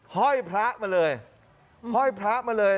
ห้อยพระมาเลยห้อยพระมาเลย